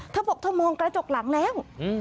ท่ามบอกท่ามมองกระจกหลังแล้วอืม